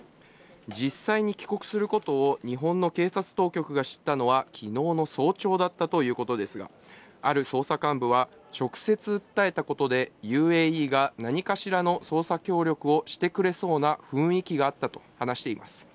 実際に帰国することを日本の警察当局が知ったのはきのうの早朝だったということですが、ある捜査幹部は直接訴えたことで、ＵＡＥが何かしらの捜査協力をしてくれそうな雰囲気があったと話しています。